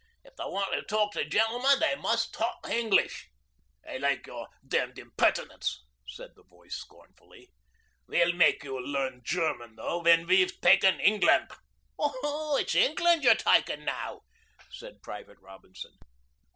If they want to talk to gen'l'men they must talk English.' 'I like your d d impertinence,' said the voice scornfully. 'We'll make you learn German, though, when we've taken England.' 'Oh, it's Englan' you're takin' now,' said Private Robinson.